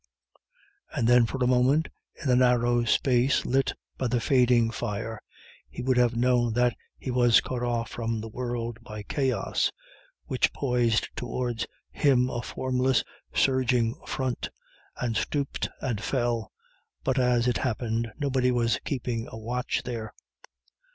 And then for a moment, in the narrow space lit by the fading fire, he would have known that he was cut off from the world by chaos, which poised towards him a formless surging front, and stooped and fell. But as it happened nobody was keeping a watch there.